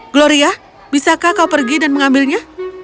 gloria bisakah kau pergi dan mengambilnya